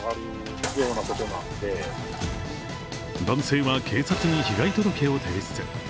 男性は警察に被害届を提出。